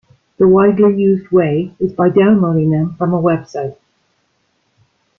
The widely used way is by downloading them from a website.